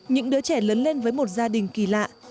những đứa trẻ lớn lên với một gia đình kỳ lạ